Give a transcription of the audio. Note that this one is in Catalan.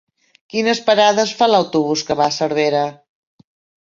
Quines parades fa l'autobús que va a Cervera?